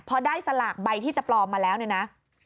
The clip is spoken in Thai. พอได้สลากใบที่จะปลอมมาแล้วเนี่ยนะ